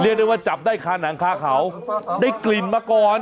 ได้ว่าจับได้คาหนังคาเขาได้กลิ่นมาก่อน